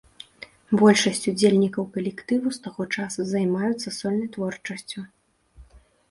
Большасць удзельнікаў калектыву з таго часу займаюцца сольнай творчасцю.